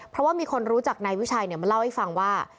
เพราะว่ามีคนรู้จักนายวิชัยมาเล่าให้ฟังว่า